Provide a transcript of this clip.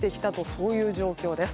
そういう状況です。